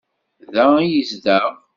Da i yezdeɣ?